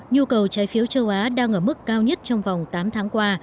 nhu cầu trái phiếu châu á đang ở mức cao nhất trong vòng tám tháng qua